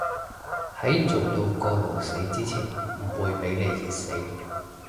喺做到過勞死之前唔會畀你熱死